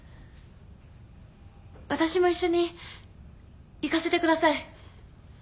私も一緒に行かせてください。